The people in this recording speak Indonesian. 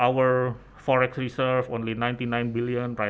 harga forex yang lebih rendah